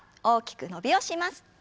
大きく伸びをします。